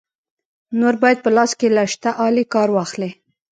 نور باید په لاس کې له شته آلې کار واخلې.